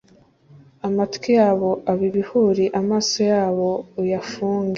amatwi yabo aba ibihuri amaso yabo uyafunge